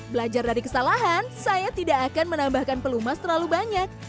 belajar dari kesalahan saya tidak akan menambahkan pelumas terlalu banyak